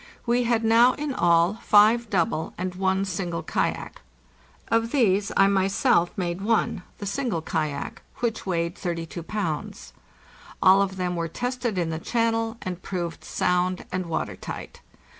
We had now in all five double and one single kayak. Of these I myself made one, the single kayak, which weighed 32 pounds. All of them were tested in the channel, and proved sound and watertight.